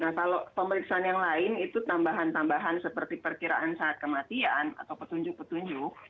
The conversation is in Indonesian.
nah kalau pemeriksaan yang lain itu tambahan tambahan seperti perkiraan saat kematian atau petunjuk petunjuk